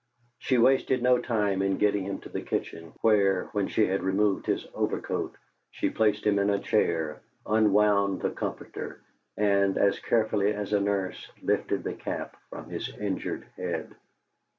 She wasted no time in getting him to the kitchen, where, when she had removed his overcoat, she placed him in a chair, unwound the comforter, and, as carefully as a nurse, lifted the cap from his injured head.